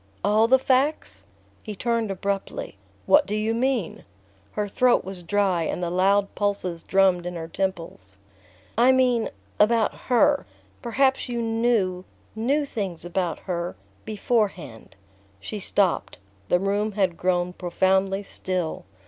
"All the facts?" He turned abruptly. "What do you mean?" Her throat was dry and the loud pulses drummed in her temples. "I mean about her...Perhaps you knew ... knew things about her ... beforehand." She stopped. The room had grown profoundly still.